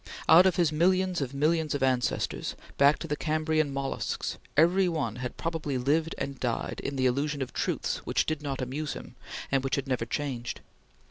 Out of his millions of millions of ancestors, back to the Cambrian mollusks, every one had probably lived and died in the illusion of Truths which did not amuse him, and which had never changed.